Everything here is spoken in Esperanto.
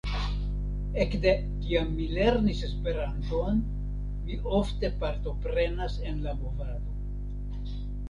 Ekde kiam mi lernis Esperanton, mi ofte partoprenas en la movado.